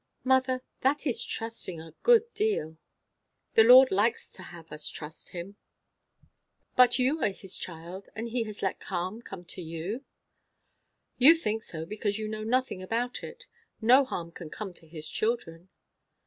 "Mother, that is trusting a good deal." "The Lord likes to have us trust him." "But you are his child, and he has let harm come to you?" "You think so, because you know nothing about it. No harm can come to his children."